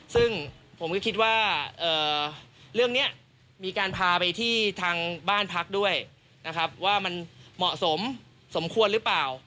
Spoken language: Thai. ซึ่งผมก็คิดว่าเรื่องนี้มีการพาไปที่ทางบ้านพักด้วยนะครับว่ามันเหมาะสมสมควรหรือเปล่า